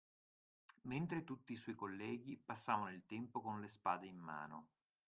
Mentre tutti i suoi colleghi passavano il tempo con le spade in mano